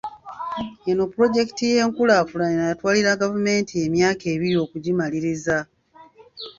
Eno pulojekiti y'enkulaakulana yatwalira gavumenti emyaka ebiri okugimaliriza